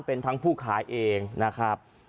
เป็นทั้งผู้ขายเองนะครับ